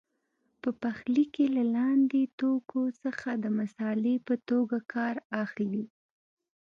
په پخلي کې له لاندې توکو څخه د مسالې په توګه کار اخلي.